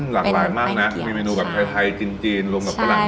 หลากหลายมากนะมีเมนูแบบไทยจีนรวมกับฝรั่ง